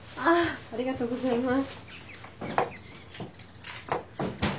ありがとうございます。